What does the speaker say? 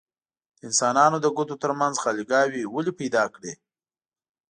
د انسانانو د ګوتو ترمنځ خاليګاوې ولې پیدا کړي؟